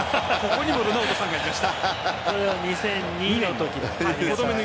これは２００２のときの。